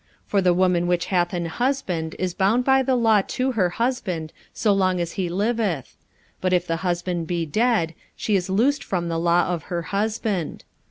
45:007:002 For the woman which hath an husband is bound by the law to her husband so long as he liveth; but if the husband be dead, she is loosed from the law of her husband.